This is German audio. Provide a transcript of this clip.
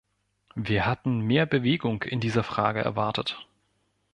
Wir hatten mehr Bewegung in dieser Frage erwartet.